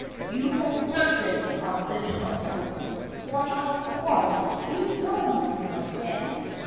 You the surgent of the twentieth! Why, of course you know'd my boy, then!